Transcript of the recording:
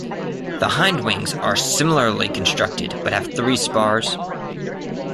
The hindwings are similarly constructed, but have three spars.